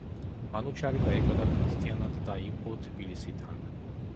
მანუჩარი დაიბადა ქრისტიანად და იყო თბილისიდან.